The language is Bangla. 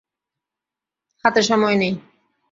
হাতে সময় নেই।